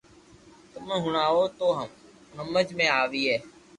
تمو ھڻاويو تو ھمج ۾ آوئي